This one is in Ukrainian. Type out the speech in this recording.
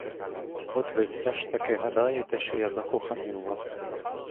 От ви все ж таки гадаєте, що я закоханий у вас.